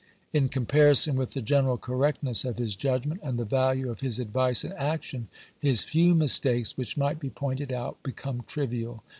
In comparison with the gen eral correctness of his judgment and the value of his advice and action, his few mistakes which might be pointed out become trivial.